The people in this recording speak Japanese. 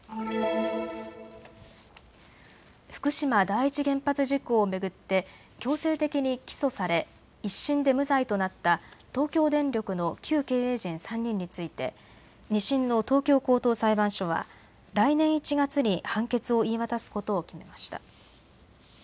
福島第一原発事故を巡って強制的に起訴され１審で無罪となった東京電力の旧経営陣３人について２審の東京高等裁判所は来年１月に判決を言い渡すことを決めました。